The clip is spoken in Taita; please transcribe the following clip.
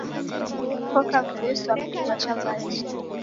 Koka mvui sa mudi ghwa chapati